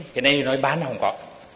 cái này nói bán là không có